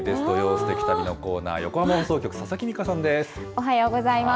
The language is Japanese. すてき旅のコーナー、横浜放おはようございます。